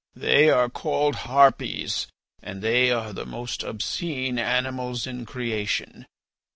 "They are called harpies, and they are the most obscene animals in creation.